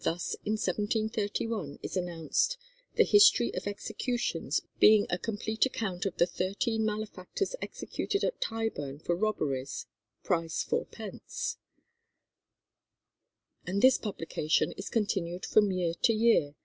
Thus in 1731 is announced "The History of Executions: being a complete account of the thirteen malefactors executed at Tyburn for robberies, price 4_d._," and this publication is continued from year to year.